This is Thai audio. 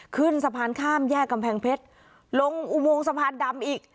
ขึ้นสะพานข้ามแยกกำแพงเพชรลงอุโมงสะพานดำอีก